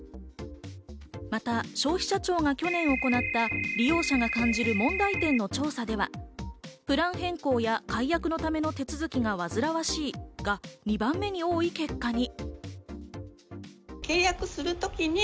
また、消費者庁が去年行った、利用者が感じる問題点の調査では、プラン変更や解約のための手続きがわずらわしいが２番目に多い結果に。